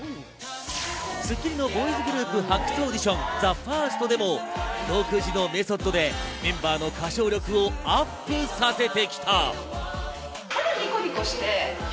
『スッキリ』のボーイズグループ発掘オーディション、ＴＨＥＦＩＲＳＴでも独自のメソッドでメンバーの歌唱力をアップさせてきた。